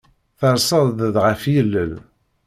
Terseḍ-d ɣef yilel.